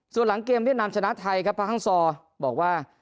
ส่วนหลังเกมเวียดนามชนะไทยครับพระฮังซอร์บอกว่า